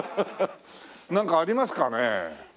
なんかありますかねえ。